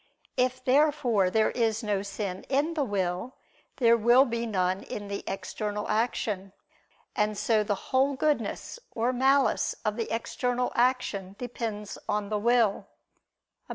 If therefore there is no sin in the will, there will be none in the external action. And so the whole goodness or malice of the external action depends on the will. Obj.